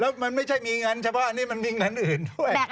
แล้วมันไม่ใช่มีเงินเฉพาะนี่มันมีเงินอื่นด้วย